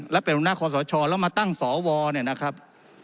และเป็นนักขอสะชอแล้วมาตั้งสอวอเนี่ยนะครับ